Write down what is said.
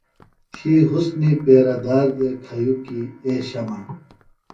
تھی حُسنی پیرہ دار دےۡ کھیوۡ کیۡ اے شمع۔